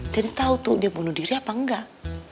jadi tau tuh dia bunuh diri apa enggak